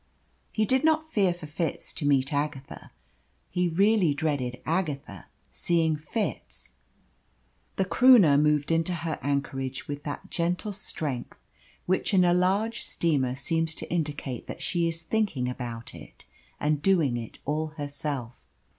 He did not fear for Fitz to meet Agatha, he really dreaded Agatha seeing Fitz. The Croonah moved into her anchorage with that gentle strength which in a large steamer seems to indicate that she is thinking about it and doing it all herself.